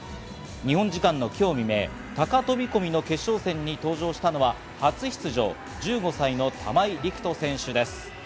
日本時間の今日未明、高飛込の決勝戦に登場したのは初出場、１５歳の玉井陸斗選手です。